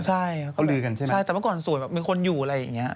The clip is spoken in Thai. ใช่เขาลือกันใช่ไหมใช่แต่เมื่อก่อนสวยแบบมีคนอยู่อะไรอย่างนี้